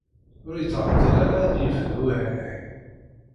Ur yettɛeṭṭil ara ad yebdu uhanay.